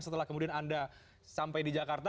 setelah kemudian anda sampai di jakarta